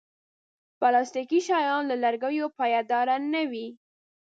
پلاستيکي شیان له لرګیو پایداره نه دي.